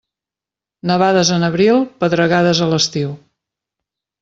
Nevades en abril, pedregades a l'estiu.